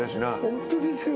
ホントですよ